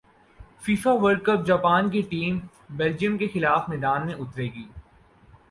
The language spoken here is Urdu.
فیفا ورلڈ کپ جاپان کی ٹیم بیلجیئم کیخلاف میدان میں اترے گی